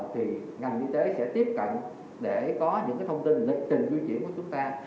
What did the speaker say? thì ngành y tế sẽ tiếp cận để có những thông tin lịch trình di chuyển của chúng ta